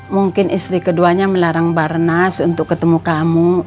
mungkin istri keduanya melarang barnas untuk ketemu kamu